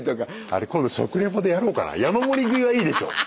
あれ今度食リポでやろうかな山盛り食いはいいでしょ。